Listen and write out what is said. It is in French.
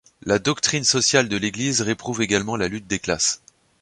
La doctrine sociale de l'Église réprouve également la lutte des classes.